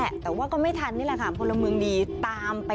ขโมยลอตเตอรี่ลุง๒๐ใบ